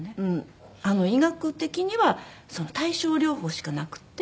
医学的には対症療法しかなくて。